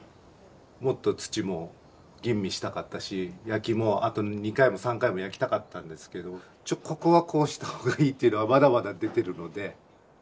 もっと土も吟味したかったし焼きもあと２回も３回も焼きたかったんですけどちょっとここはこうした方がいいっていうのはまだまだ出てるので。